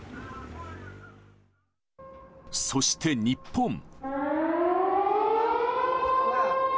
そして日本。